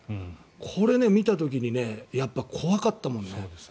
これを見た時やっぱり怖かったもんね。